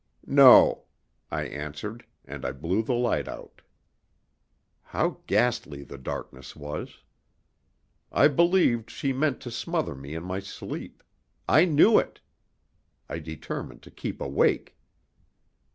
"No," I answered; and I blew the light out. How ghastly the darkness was! I believed she meant to smother me in my sleep. I knew it. I determined to keep awake.